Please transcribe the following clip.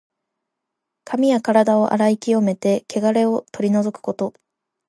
髪やからだを洗い清めて、けがれを取り除くこと。